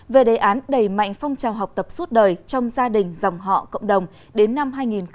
về đề án đẩy mạnh phong trào học tập suốt đời trong gia đình dòng họ cộng đồng đến năm hai nghìn hai mươi